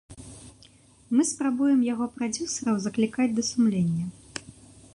Мы спрабуем яго прадзюсараў заклікаць да сумлення.